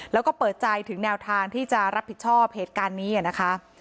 แล้วก็เปิดใจถึงแนวทางที่จะรับผิดชอบเหตุการณ์นี้นะคะ